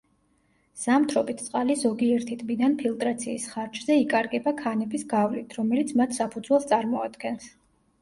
ზამთრობით წყალი ზოგიერთი ტბიდან ფილტრაციის ხარჯზე იკარგება ქანების გავლით, რომელიც მათ საფუძველს წარმოადგენს.